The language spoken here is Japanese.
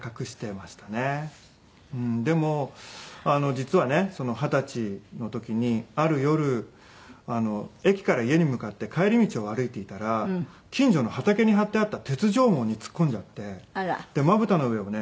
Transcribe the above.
実はね二十歳の時にある夜駅から家に向かって帰り道を歩いていたら近所の畑に張ってあった鉄条網に突っ込んじゃってまぶたの上をね